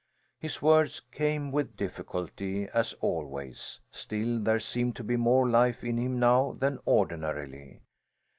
His words came with difficulty, as always, still there seemed to be more life in him now than ordinarily.